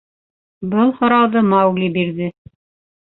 — Был һорауҙы Маугли бирҙе.